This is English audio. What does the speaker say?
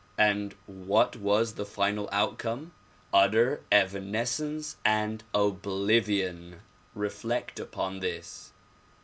And what was the final outcome ? Utter evanescence and oblivion. Reflect upon this.